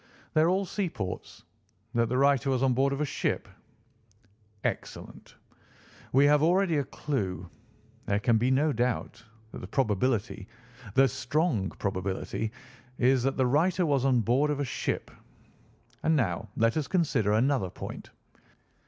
"They are all seaports. That the writer was on board of a ship." "Excellent. We have already a clue. There can be no doubt that the probability—the strong probability—is that the writer was on board of a ship. And now let us consider another point.